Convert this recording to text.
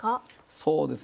そうですね